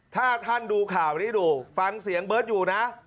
ถ้าท่านดูข่าวนี้ดูฟังเสียงเบิร์ตอยู่นะ